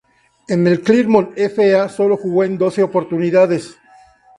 En el Clermont F. A. solo jugó en doce oportunidades.